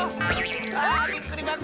あびっくりばこ！